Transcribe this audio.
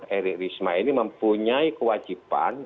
erik risma ini mempunyai kewajiban